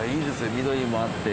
緑もあって。